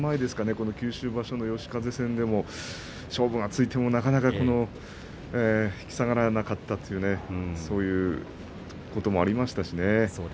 この九州場所の嘉風戦でも勝負がついてもなかなか引き下がらなかったというねそういうこともありましたしね。